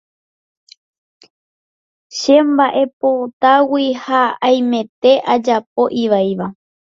chemba'epotágui haimete ajapo ivaíva